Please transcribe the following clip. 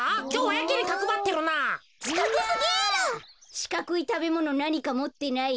しかくいたべものなにかもってない？